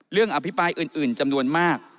เรื่องอภิปรายอื่นจำนวนมาก